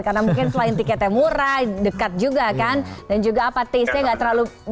karena mungkin selain tiketnya murah dekat juga kan dan juga apa taste nya gak terlalu